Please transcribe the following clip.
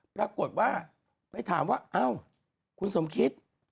ปรากฏว่าไปถามว่าเอ้าคุณสมคิด